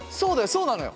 そうなのよ。